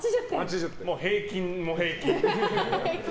平均の平均。